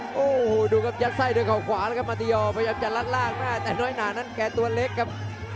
โอ้โหดูครับยัดไส้ด้วยเขาขวาแล้วครับมาติยอพยายามจะลัดล่างแม่แต่น้อยหนานั้นแกตัวเล็กครับ